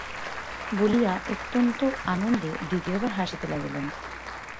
বলিয়া অত্যন্ত আনন্দে দ্বিতীয়বার হাসিতে লাগিলেন।